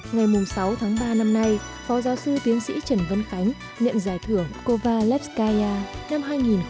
ngày sáu tháng ba năm nay phó giáo sư tiến sĩ trần vân khánh nhận giải thưởng cova lepskaia năm hai nghìn một mươi bảy